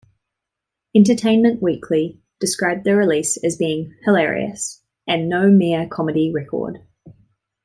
"Entertainment Weekly" described the release as being "hilarious," and "no mere comedy record.